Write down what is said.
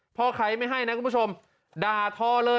พอใครไม่ให้นะคุณผู้ชมด่าทอเลย